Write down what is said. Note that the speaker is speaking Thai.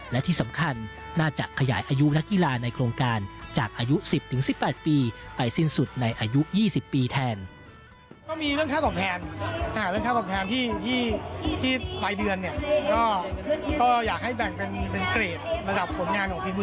และที่สำคัญน่าจะขยายอายุนักกีฬาในโครงการจากอายุ๑๐๑๘ปีไปสิ้นสุดในอายุ๒๐ปีแทน